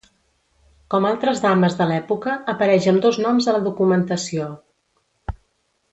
Com altres dames de l'època apareix amb dos noms a la documentació: